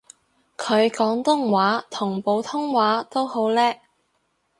佢廣東話同普通話都好叻